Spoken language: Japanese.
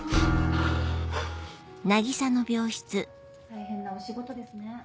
・大変なお仕事ですね・